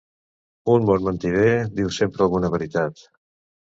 Un bon mentider diu sempre alguna veritat.